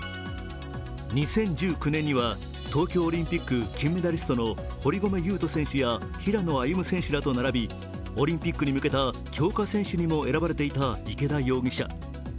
２０１９年には東京オリンピック金メダリストの堀米雄斗選手や平野歩夢選手らと並びオリンピックに向けた強化選手にも選ばれていた池田容疑者。